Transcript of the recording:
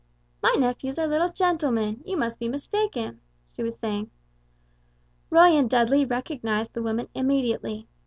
"My nephews are little gentlemen; you must be mistaken," she was saying. Roy and Dudley recognized the woman immediately.